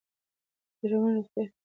د رواني روغتیا خبرتیا ضروري ده.